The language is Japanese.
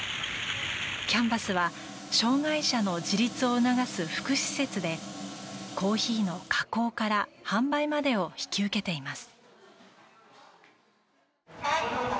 キャンバスは障害者の自立を促す福祉施設でコーヒーの加工から販売までを引き受けています。